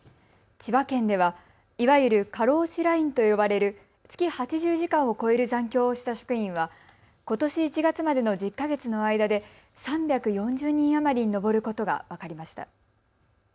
千葉県ではいわゆる過労死ラインと呼ばれる月８０時間を超える残業をした職員はことし１月までの１０か月の間で３４０人余りに上ることが分かりました。